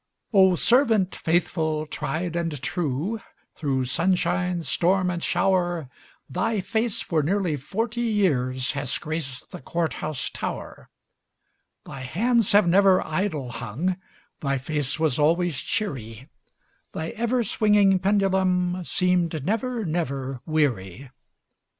Oh, servant faithful, tried, and true, Through sunshine, storm, and shower, Thy face for nearly forty years Has graced the court house tower; Thy hands have never idle hung, Thy face was always cheery, Thy ever swinging pendulum Seemed never, never weary.